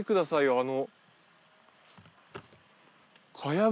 あの。